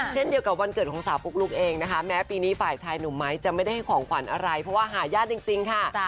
เช่นเดียวกับวันเกิดของสาวปุ๊กลุ๊กเองนะคะแม้ปีนี้ฝ่ายชายหนุ่มไม้จะไม่ได้ให้ของขวัญอะไรเพราะว่าหายากจริงค่ะ